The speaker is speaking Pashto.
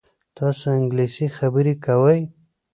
تاسو انګلیسي خبرې کوئ؟